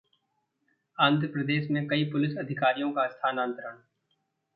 आंध्र प्रदेश में कई पुलिस अधिकारियों का स्थानांतरण